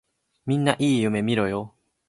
みんないい夢みろよ。